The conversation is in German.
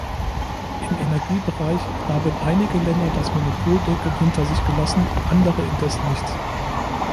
Im Energiebereich haben einige Länder das Monopoldenken hinter sich gelassen, andere indessen nicht.